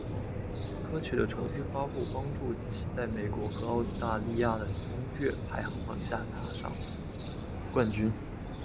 歌曲的重新发布帮助其在美国和澳大利亚的音乐排行榜上拿下冠军。